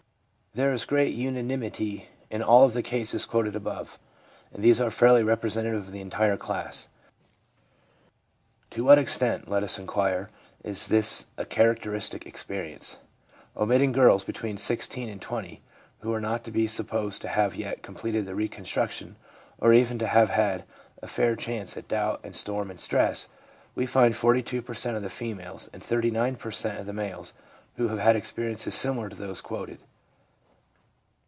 There is great unanimity in all of the cases quoted above, and these are fairly representative of the entire class. To what extent, let us inquire, is this a char acteristic experience. Omitting girls between 16 and 20, who are not to be supposed to have yet completed the reconstruction, or even to have had a fair chance at doubt and storm and stress, we find 42 per cent, of the females and 39 per cent, of the males who have had experiences similar to those quoted.